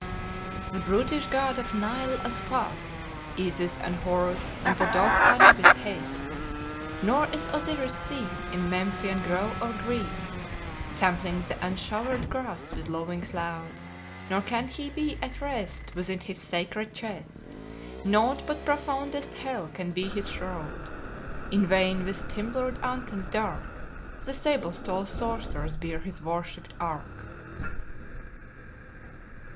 "The brutish god of Nile as fast, Isis and Horus and the dog Anubis haste. Nor is Osiris seen In Memphian grove or green Trampling the unshowered grass with lowings loud; Nor can he be at rest Within his sacred chest; Nought but profoundest hell can be his shroud. In vain with timbrel'd anthems dark The sable stole sorcerers bear his worshipped ark."